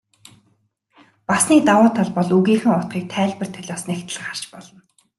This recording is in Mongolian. Бас нэг давуу тал бол үгийнхээ утгыг тайлбар толиос нягтлан харж болно.